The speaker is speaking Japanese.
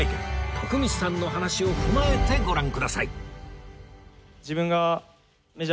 徳光さんの話を踏まえてご覧ください